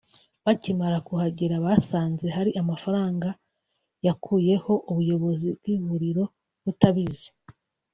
Bakimara kuhagera basanze hari amafaranga yakuyeho ubuyobozi bw’ivuriro butabizi